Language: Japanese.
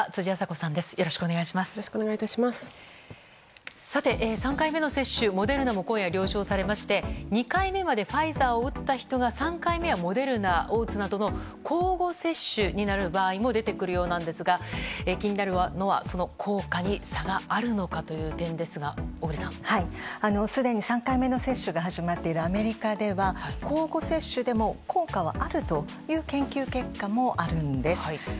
さて、３回目の接種モデルナも今夜、了承されまして２回目までファイザーを打った人が、３回目はモデルナを打つなどの交互接種になる場合も出てくるようなんですが気になるのはその効果に差があるのかという点ですがすでに３回目の接種が始まっているアメリカでは交互接種でも効果はあるという研究結果もあるんです。